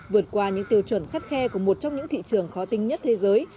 vượt qua những tiêu chuẩn khắt khe của một trong những thị trường khó tinh nhất thế giới